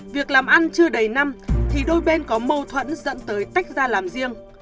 việc làm ăn chưa đầy năm thì đôi bên có mâu thuẫn dẫn tới tách ra làm riêng